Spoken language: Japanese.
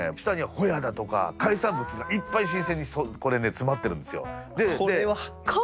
下にはホヤだとか海産物がいっぱい新鮮にこれね詰まってるんですよ。